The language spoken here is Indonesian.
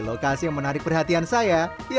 lokasi yang menarik perhatian saya